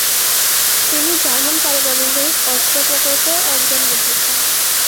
তিনি জার্মান পারমাণবিক অস্ত্র প্রকল্পে অবদান রেখেছেন।